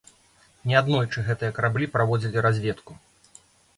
Неаднойчы гэтыя караблі праводзілі разведку.